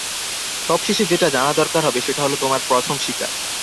সবশেষে যেটা জানা দরকার হবে, সেটা হল তোমার প্রথম শিকার।